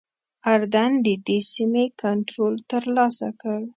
اردن ددې سیمې کنټرول ترلاسه کړ.